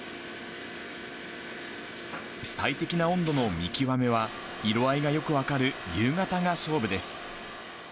最適な温度の見極めは、色合いがよく分かる夕方が勝負です。